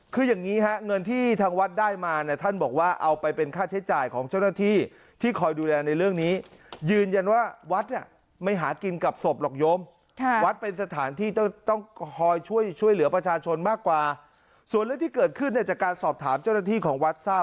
คืออย่างงี้เงินที่ทางวัดได้มา